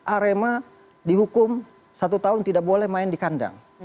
arema dihukum satu tahun tidak boleh main di kandang